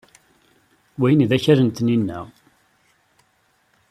Wihin d akal n Taninna.